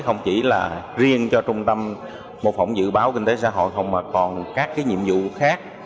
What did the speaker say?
không chỉ là riêng cho trung tâm mô phỏng dự báo kinh tế xã hội mà còn các nhiệm vụ khác